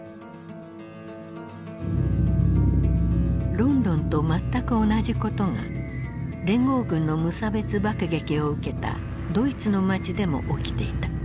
ロンドンと全く同じことが連合軍の無差別爆撃を受けたドイツの街でも起きていた。